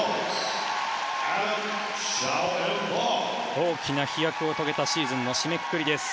大きな飛躍を遂げたシーズンの締めくくりです。